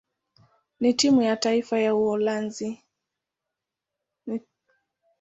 na timu ya taifa ya Uholanzi.